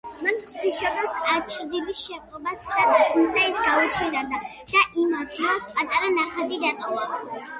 მან ღვთისმშობლის აჩრდილის შეპყრობა სცადა, თუმცა ის გაუჩინარდა და იმ ადგილას პატარა ნახატი დატოვა.